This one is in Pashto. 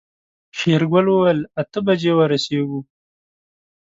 شېرګل وويل اته بجې ورسيږو.